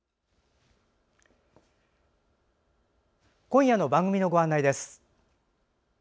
今夜の番組のご案内です。